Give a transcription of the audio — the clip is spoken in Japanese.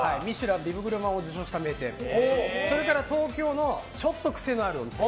ビブグルマンを受賞した名店それから東京のちょっと癖のあるお店。